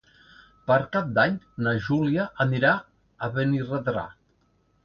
Per Cap d'Any na Júlia anirà a Benirredrà.